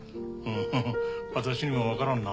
私にもわからんな。